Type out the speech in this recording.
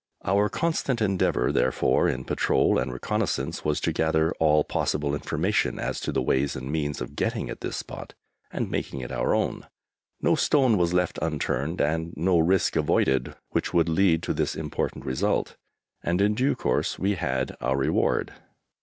Our constant endeavour, therefore, in patrol and reconnaissance, was to gather all possible information as to the ways and means of getting at this spot and making it our own. No stone was left unturned and no risk avoided which would lead to this important result, and in due course we had our reward.